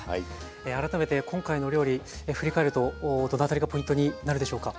改めて今回のお料理振り返るとどのあたりがポイントになるでしょうか？